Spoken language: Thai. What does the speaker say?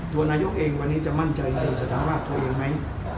ตัวนายกเองวันนี้จะมั่นใจในสถานะตัวเองไหม